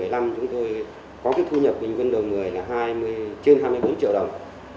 cụ thể là năm hai nghìn một mươi năm chúng tôi có cái thu nhập bình quân đầu người là trên hai mươi bốn triệu đồng